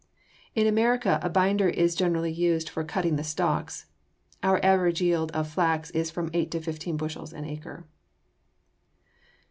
In America a binder is generally used for cutting the stalks. Our average yield of flax is from eight to fifteen bushels an acre.